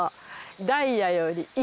ダイヤより石。